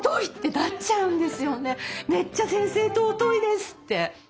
もうめっちゃ先生尊いですって。